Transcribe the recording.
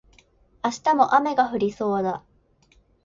明日も雨が降りそうだ